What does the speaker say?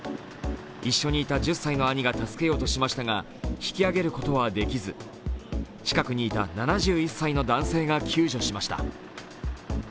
一緒にいた１０歳の兄が助けようとしましたが、引き揚げることができず、近くにいた７１歳の男性が救助しました。